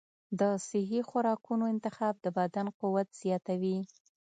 د صحي خوراکونو انتخاب د بدن قوت زیاتوي.